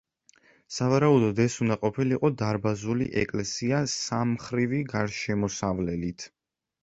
სავარაუდოდ ეს უნდა ყოფილიყო დარბაზული ეკლესია სამმხრივი გარშემოსავლელით.